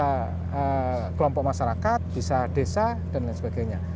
bisa kelompok masyarakat bisa desa dan lain sebagainya